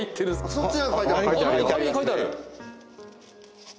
そっち何か書いてある。